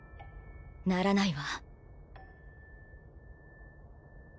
ならないわ。